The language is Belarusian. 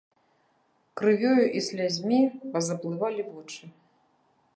Крывёю і слязьмі пазаплывалі вочы.